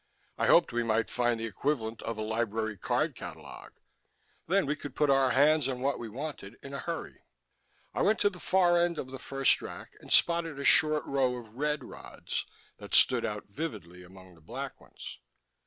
I hoped we might find the equivalent of a library card catalog; then we could put our hands on what we wanted in a hurry. I went to the far end of the first rack and spotted a short row of red rods that stood out vividly among the black ones.